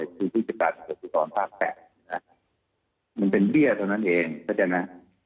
คือผู้จัดการประสิทธิ์ตอนป้าแปะมันเป็นเบี้ยเท่านั้นเองเพราะฉะนั้น